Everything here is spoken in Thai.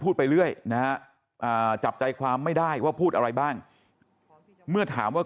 ไปเรื่อยนะจับใจความไม่ได้ว่าพูดอะไรบ้างเมื่อถามว่า